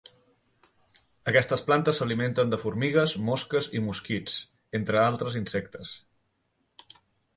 Aquestes plantes s'alimenten de formigues, mosques i mosquits, entre altres insectes.